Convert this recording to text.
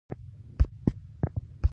ګلاب د ناز ښکلا تمثیل دی.